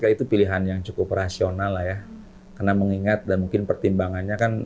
itu pilihan yang cukup rasional lah ya karena mengingat dan mungkin pertimbangannya kan